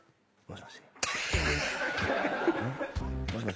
もしもし？